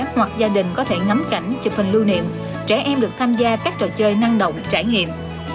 hoặc gia đình có thể ngắm cảnh chụp hình lưu niệm trẻ em được tham gia các trò chơi năng động trải nghiệm